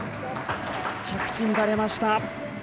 着地、乱れました。